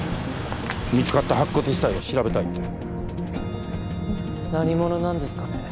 見つかった白骨死体を調べたいって何者なんですかね